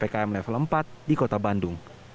ppkm level empat di kota bandung